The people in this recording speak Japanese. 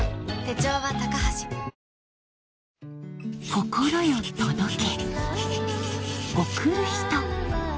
心よ届け